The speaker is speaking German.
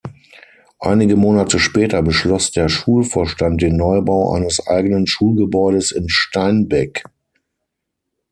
Einige Monate später beschloss der Schulvorstand den Neubau eines eigenen Schulgebäudes in Steinbeck.